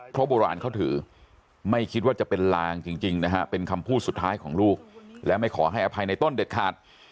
เพราะโบราณเขาถือไม่คิดว่าจะเป็นลางจริงนะฮะเป็นคำพูดสุดท้ายของลูกและไม่ขอให้อภัยในต้นเด็ดขาด